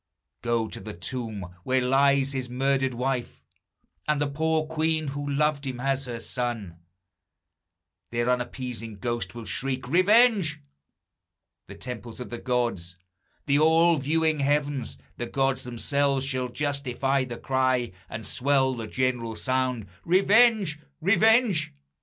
Go to the tomb where lies his murdered wife, And the poor queen, who loved him as her son, Their unappeased ghosts will shriek, Revenge! The temples of the gods, the all viewing heavens, The gods themselves, shall justify the cry, And swell the general sound, Revenge! Revenge!